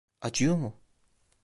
Acıyor mu?